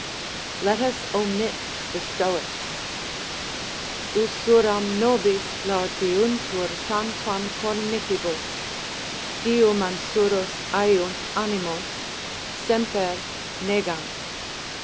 Let us omit the Stoics, (_usuram nobis largiuntur tanquam cornicibus; diu mansuros aiunt animos; semper, negant.